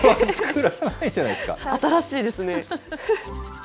新しいですね。